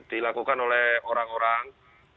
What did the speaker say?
dilakukan oleh orang orang